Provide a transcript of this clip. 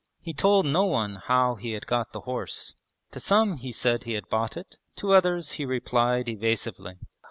He told no one how he had got the horse. To some he said he had bought it, to others he replied evasively.